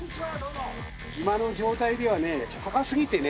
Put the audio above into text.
今の状態ではね高すぎてね